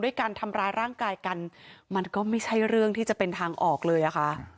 การทำร้ายร่างกายกันมันก็ไม่ใช่เรื่องที่จะเป็นทางออกเลยอะค่ะ